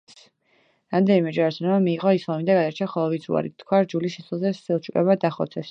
რამდენიმე ჯვაროსანმა მიიღო ისლამი და გადარჩა, ხოლო ვინც უარი თქვა რჯულის შეცვლაზე სელჩუკებმა დახოცეს.